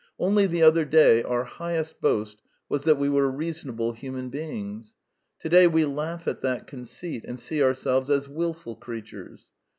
Only the other day our highest boast was that we were reasonable human beings. Today we laugh at that conceit, and see ourselves as wilful creatures.